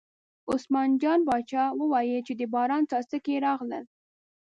عثمان جان باچا وویل چې د باران څاڅکي راغلل.